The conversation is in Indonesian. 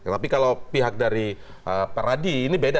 tapi kalau pihak dari peradi ini beda